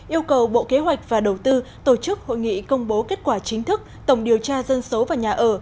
yêu cầu bộ kế hoạch và đầu tư tổ chức hội nghị công bố kết quả chính thức tổng điều tra dân số và nhà ở